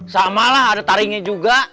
sama lah ada taringnya juga